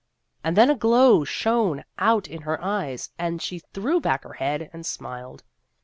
" And then a glow shone out in her eyes, and she threw back her head, and smiled.